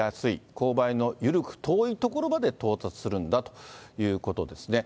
勾配の緩く遠い所まで到達するんだということですね。